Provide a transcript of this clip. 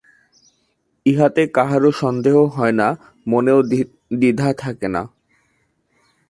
ইহাতে কাহারও সন্দেহ হয় না, মনেও দ্বিধা থাকে না।